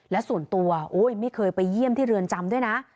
และส่วนตัวไม่เคยไปเยี่ยมที่เรือนจำด้วยนะ